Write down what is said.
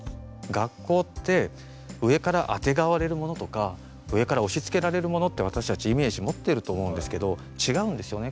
学校って上からあてがわれるものとか上から押し付けられるものって私たちイメージ持ってると思うんですけど、違うんですよね。